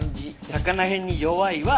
魚へんに弱いは鰯。